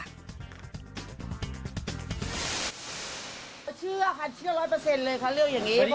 ด้วยว่าจะทำยังไง